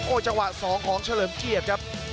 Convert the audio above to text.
โอ้ยจังหวะสองของเฉลิมเกียรติครับ